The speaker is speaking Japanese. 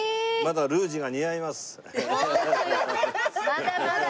まだまだ。